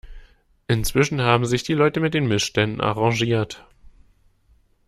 Inzwischen haben sich die Leute mit den Missständen arrangiert.